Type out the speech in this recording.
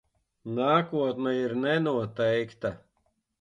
Nākotne ir nenoteikta.